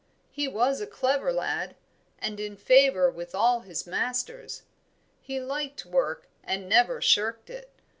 He was a clever lad, and in favour with all his masters; he liked work and never shirked it.